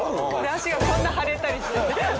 足がこんな腫れたりして。